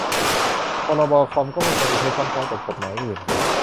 พรบคอมพ์ ก็ไม่ควรจะใช้ซ้ำซ้อนกับกฎหมายอื่น